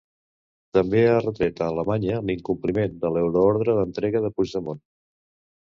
També ha retret a Alemanya l'incompliment de l'euroordre d'entrega de Puigdemont.